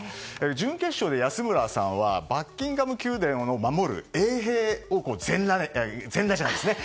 準決勝で安村さんはバッキンガム宮殿を守る衛兵を全裸全裸じゃないですね。